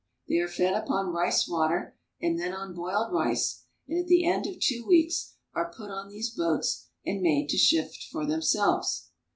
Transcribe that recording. They are fed upon rice water and then on boiled rice, and at the end of two weeks are put on these boats and made to shift for themselves.